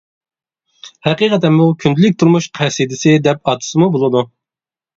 ھەقىقەتەنمۇ كۈندىلىك تۇرمۇش قەسىدىسى دەپ ئاتىسىمۇ بولىدۇ!